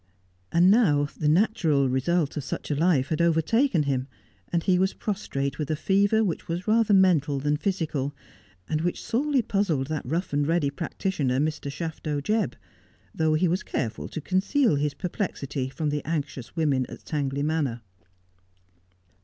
And now the natural result of such a life had overtaken him, and he was prostrate with a fever which was rather mental than physical, and which sorely puzzled that rough and ready prac titioner, Mr. Shafto Jebb, though he was careful to conceal his perplexity from the anxious women at Tangley Manor.